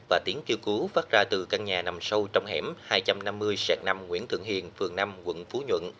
và tiếng kêu cứu phát ra từ căn nhà nằm sâu trong hẻm hai trăm năm mươi sẹt năm nguyễn thượng hiền phường năm quận phú nhuận